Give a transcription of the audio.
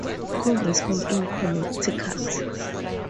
Congressman, in Connecticut.